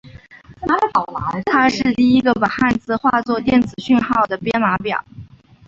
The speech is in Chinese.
它是第一个把汉字化作电子讯号的编码表。